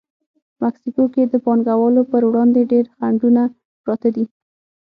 په مکسیکو کې د پانګوالو پر وړاندې ډېر خنډونه پراته دي.